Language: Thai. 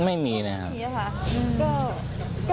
ไม่มีนะครับ